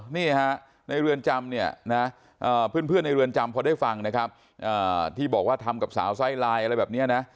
นี่ฮะในเรือนจำเนี่ยนะเพื่อนในเรือนจำพอได้ฟังนะครับที่บอกว่าทำกับสาวไส้ลายอะไรแบบนี้นะ